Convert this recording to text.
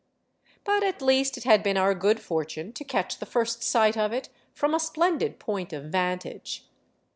But at least it had been our good fortune to catch the first sight of it from a splendid point of vantage.